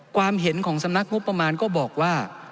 ความเห็นของสำนักงบประมาณก็บอกว่า